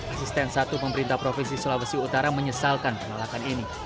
asisten satu pemerintah provinsi sulawesi utara menyesalkan penolakan ini